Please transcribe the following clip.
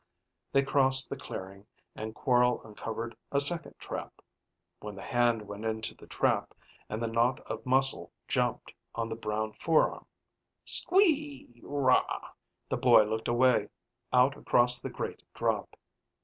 They crossed the clearing and Quorl uncovered a second trap. When the hand went into the trap and the knot of muscle jumped on the brown forearm (Squeeeeee_raaaaa_!), the boy looked away, out across the great drop.